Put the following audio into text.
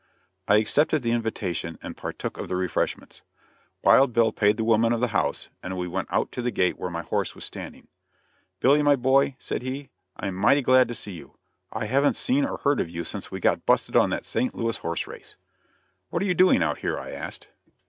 I accepted the invitation and partook of the refreshments. Wild Bill paid the woman of the house, and we went out to the gate where my horse was standing. "Billy, my boy," said he, "I am mighty glad to see you. I haven't seen or heard of you since we got busted on that St. Louis' horse race." "What are you doing out here?" I asked.